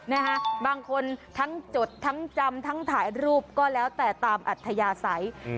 นะฮะบางคนทั้งจดทั้งจำทั้งถ่ายรูปก็แล้วแต่ตามอัธยาศัยอืม